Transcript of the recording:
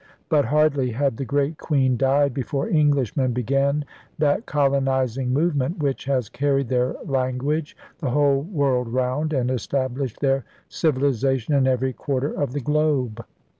But hardly had the Great Queen died before Englishmen began that colonizing movement which has carried their language the whole world round and estab lished their civilization in every quarter of the globe.